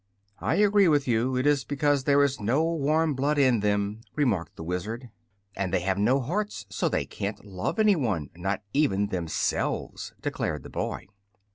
"I agree with you. It is because there is no warm blood in them," remarked the Wizard. "And they have no hearts; so they can't love anyone not even themselves," declared the boy.